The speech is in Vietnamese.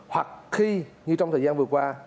hoặc khi như trong thời gian vừa qua